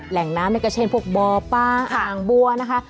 แหล่งน้ำนี่ก็เช่นพวกบ่อปลาอ่างบัวนะคะ